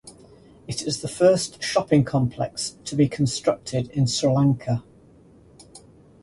It is the first shopping complex to be constructed in Sri Lanka.